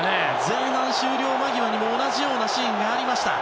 前半終了間際にも同じようなシーンがありました。